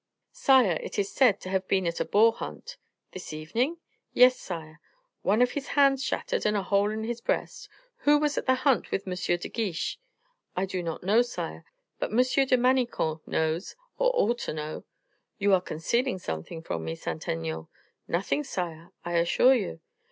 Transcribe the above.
"Sire, it is said to have been at a boar hunt." "This evening?" "Yes, sire." "One of his hands shattered, and a hole in his breast. Who was at the hunt with M. de Guiche?" "I do not know, sire; but M. de Manicamp knows, or ought to know." "You are concealing something from me, Saint Aignan." "Nothing, sire, I assure you."